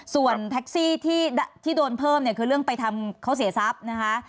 ส่วนแท็กซี่ที่โดนเพิ่มเนี่ยคือเรื่องไปทำเขาเสียทรัพย์นะคะ